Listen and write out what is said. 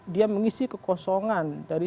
dia mengisi kekosongan dari